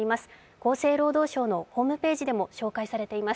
厚生労働省のホームページでも紹介されています。